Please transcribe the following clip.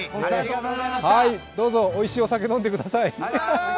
どうぞおいしいお酒飲んでください。